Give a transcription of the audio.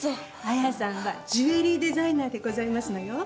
綾さんはジュエリーデザイナーでございますのよ。